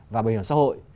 và bình luận xã hội